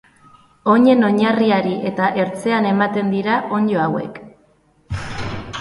Oinen oinarriari eta ertzean ematen dira onddo hauek.